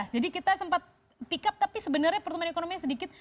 jadi kita sempat pick up tapi sebenarnya pertumbuhan ekonominya sedikit